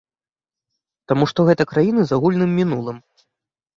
Таму што гэта краіны з агульным мінулым.